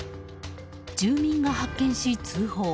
住民が発見し、通報。